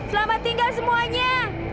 selamat tinggal semuanya